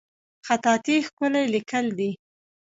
خطاطي ښکلی لیکل دي